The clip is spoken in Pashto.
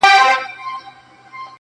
نن گدا وو خو سبا به دنيا دار وو،